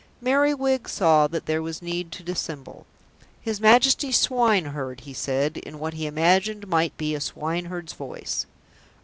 Merriwig saw that there was need to dissemble. "His Majesty's swineherd," he said, in what he imagined might be a swineherd's voice.